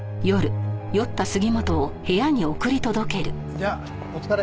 じゃあお疲れ。